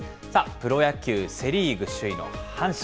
プロ野球セ・リーグ首位の阪神。